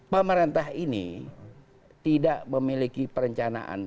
pemerintah ini tidak memiliki perencanaan